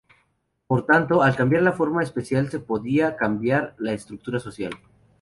Por tanto, al cambiar la forma espacial se podía cambiar la estructura social.